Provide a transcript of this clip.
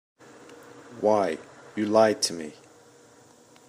Why, you lied to me.